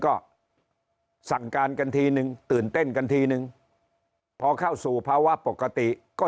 ก็สั่งการกันทีนึงตื่นเต้นกันทีนึงพอเข้าสู่ภาวะปกติก็